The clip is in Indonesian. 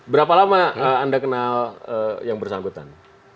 berapa lama anda kenal yang bersangkutan